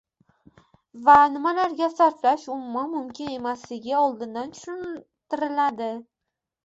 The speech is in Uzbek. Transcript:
va nimalarga sarflash umuman mumkin emasligi oldindan tushuntiriladi.